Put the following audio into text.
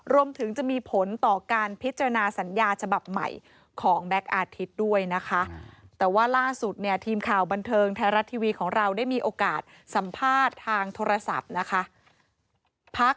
รวมถึงจะมีผลต่อการพิจารณาสัญญาฉบับใหม่ของแบ็คอาทิตย์ด้วยนะคะแต่ว่าล่าสุดเนี่ยทีมข่าวบันเทิงไทยรัฐทีวีของเราได้มีโอกาสสัมภาษณ์ทางโทรศัพท์นะคะ